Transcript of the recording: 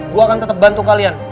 gue akan tetap bantu kalian